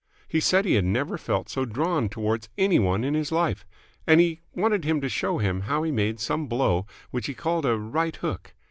He said he had never felt so drawn towards any one in his life and he wanted him to show him how he made some blow which he called a right hook.